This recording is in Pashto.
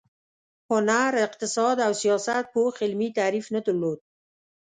هنر، اقتصاد او سیاست پوخ علمي تعریف نه درلود.